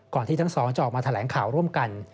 ที่ทั้งสองจะออกมาแถลงข่าวร่วมกัน